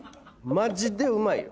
マジでうまいよ？